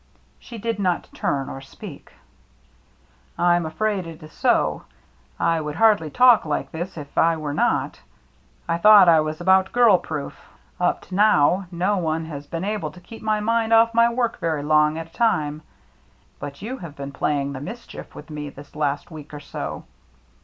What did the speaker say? She did not turn, or speak. "I'm afraid it is so. I would hardly talk like this if I were not. I thought I was about girl proof, — up to now, no one has been able to keep my mind off my work very long at a time, — but you have been playing the mis chief with me, this last week or so.